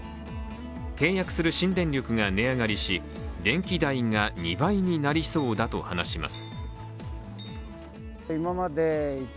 契約する新電力が値上がりし、電気代が２倍になりそうだと話します。